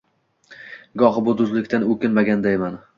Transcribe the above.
Gohi bu do’stlikdan o’kingandayman